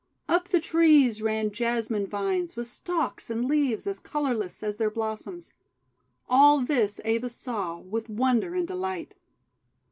Up the trees ran Jasmine vines with stalks and leaves as colourless as their blossoms. All this Eva saw with wonder and delight.